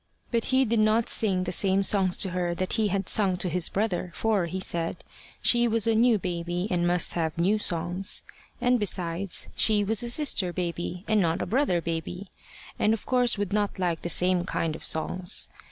But he did not sing the same songs to her that he had sung to his brother, for, he said, she was a new baby and must have new songs; and besides, she was a sister baby and not a brother baby, and of course would not like the same kind of songs.